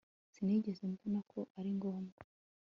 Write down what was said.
sinigeze mbona ko ari ngombwa